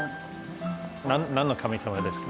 何の神様ですか？